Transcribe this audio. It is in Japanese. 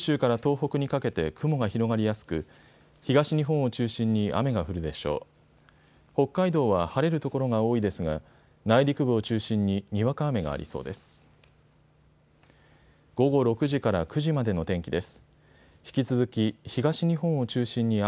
北海道は晴れる所が多いですが内陸部を中心ににわか雨がありそうです。